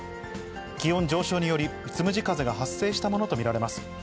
気温上昇により、つむじ風が発生したものと見られます。